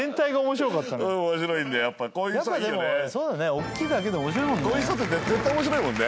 おっきいだけで面白いもんね。